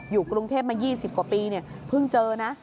อยู่กรุงเทพมา๒๐กว่าปีเพิ่งเจอนะ